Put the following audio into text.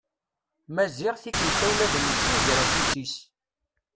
Maziɣ tikkelt-a ula d netta iger afus-is.